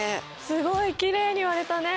すごいきれいに割れたね。